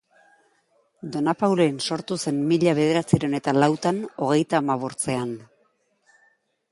Donapaulen sortu zen mila bederatzirehun eta lautan hogeitahamabortzean.